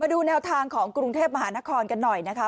ดูแนวทางของกรุงเทพมหานครกันหน่อยนะคะ